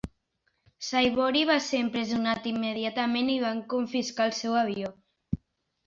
Saibory va ser empresonat immediatament i van confiscar el seu avió.